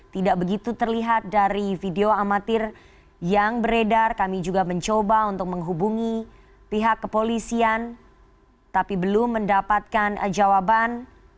tidak begitu terlihat dari video amatir yang beredar kami juga mencoba untuk menghubungi pihak kepolisian tapi belum mendapatkan jawaban